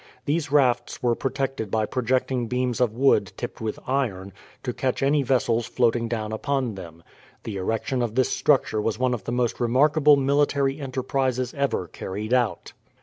These rafts were protected by projecting beams of wood tipped with iron, to catch any vessels floating down upon them. The erection of this structure was one of the most remarkable military enterprises ever carried out.